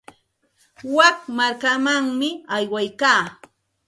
Wik markamanmi aywaykaa.